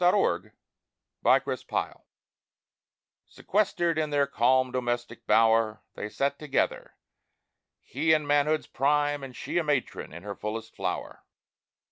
DOMESTIC BLISS IV Sequestered in their calm domestic bower, They sat together. He in manhood's prime And she a matron in her fullest flower.